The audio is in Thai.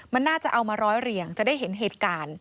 มันน่าจะเอามาร้อยเหรียงจะได้เห็นเหตุการณ์